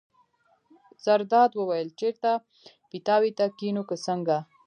زرداد وویل: چېرته پیتاوي ته کېنو که څنګه.